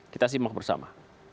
kita simak bersama